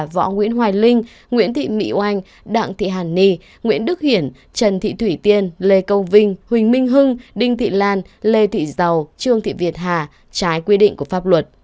võ nguyễn hoài linh nguyễn thị mỹ oanh đặng thị hàn ni nguyễn đức hiển trần thị thủy tiên lê câu vinh huỳnh minh hưng đinh thị lan lê thị giàu trương thị việt hà trái quy định của pháp luật